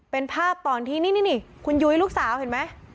เป็นภาพตอนที่นี่คุณยุ้ยลูกสาวเห็นไหม